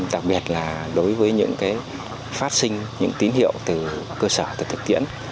đặc biệt là đối với những phát sinh những tín hiệu từ cơ sở từ thực tiễn